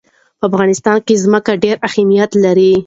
په افغانستان کې ځمکه ډېر اهمیت لري.